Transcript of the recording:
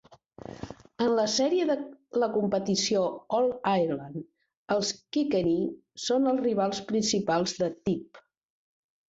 En la sèrie de la competició "All-Ireland", els Kilkenny són els rivals principals de Tipp.